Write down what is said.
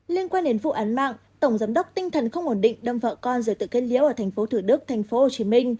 liên quan đến vụ án mạng tổng giám đốc tinh thần không ổn định đâm vợ con rời tự kết liễu ở tp thủ đức tp hcm